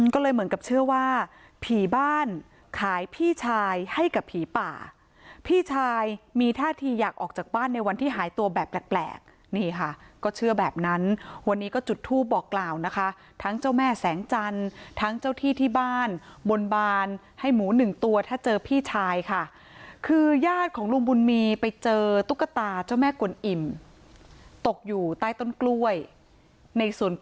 ก็เลยเหมือนกับเชื่อว่าผีบ้านขายพี่ชายให้กับผีป่าพี่ชายมีท่าทีอยากออกจากบ้านในวันที่หายตัวแบบแปลกนี่ค่ะก็เชื่อแบบนั้นวันนี้ก็จุดทูปบอกกล่าวนะคะทั้งเจ้าแม่แสงจันทร์ทั้งเจ้าที่ที่บ้านบนบานให้หมูหนึ่งตัวถ้าเจอพี่ชายค่ะคือญาติของลุงบุญมีไปเจอตุ๊กตาเจ้าแม่กวนอิ่มตกอยู่ใต้ต้นกล้วยในส่วน